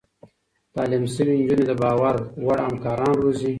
تعليم شوې نجونې د باور وړ همکاران روزي.